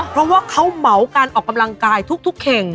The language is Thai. เพราะว่าเขาเหมาการออกกำลังกายทุกเข่ง